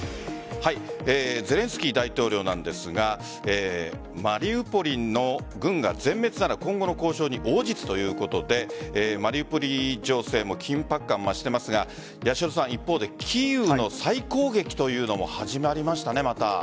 ゼレンスキー大統領なんですがマリウポリの軍が全滅なら今後の交渉に応じずということでマリウポリ情勢も緊迫感を増していますが一方でキーウの再攻撃というのもまた始まりましたね。